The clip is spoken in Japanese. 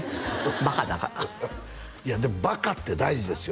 バカだからいやでもバカって大事ですよ